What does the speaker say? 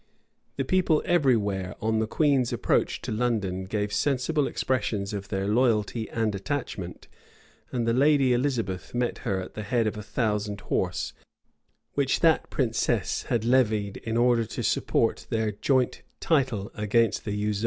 [v*] The people every where, on the queen's approach to London, gave sensible expressions of their loyalty and attachment; and the lady Elizabeth met her at the head of a thousand horse, which that princess had levied in order to support their joint title against the usurper.